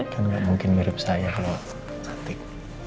kan gak mungkin mirip saya kalau cantik